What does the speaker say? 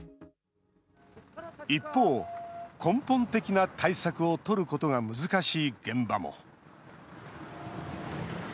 一方、根本的な対策を取ることが難しい現場も。